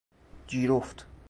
جیرفت